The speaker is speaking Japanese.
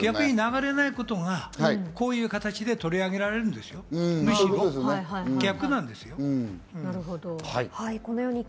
逆に流れないことがこういう形で取り上げられるんですよ、むしろ逆なんですよ。